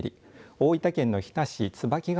大分県の日田市椿ヶ